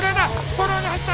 フォローに入った。